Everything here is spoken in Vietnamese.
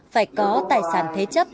phải có tài sản thế chấp